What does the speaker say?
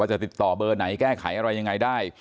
จะติดต่อเบอร์ไหนแก้ไขอะไรยังไงได้